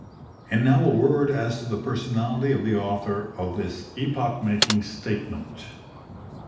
And now a word as to the personality of the author of this epoch making statement.